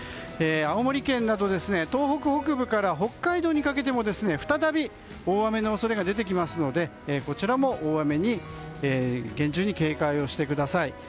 青森県など東北北部から北海道にかけても再び大雨の恐れが出てきますのでこちらも大雨に厳重に警戒をしてください。